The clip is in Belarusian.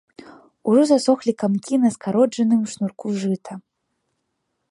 Ужо засохлі камкі на скароджаным шнурку жыта.